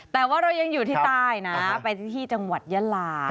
แต่ว่าเรายังอยู่ที่ใต้นะไปที่จังหวัดยาลา